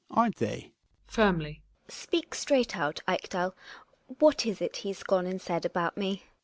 Aren't they? GiNA {firmly). Speak straight out, Ekdal. What is it lie's gone and caid about me?